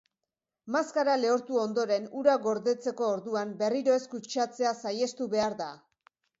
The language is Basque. Maskara lehortu ondoren, hura gordetzeko orduan berriro ez kutsatzea saihestu behar da.